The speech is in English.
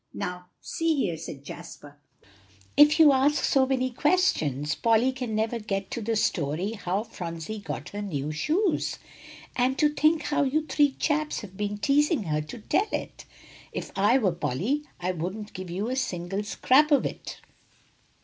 "Now, see here," said Jasper, "if you ask so many questions, Polly never can get to the story how Phronsie got her new shoes. And to think how you three chaps have been teasing her to tell it! If I were Polly, I wouldn't give you a single scrap of it."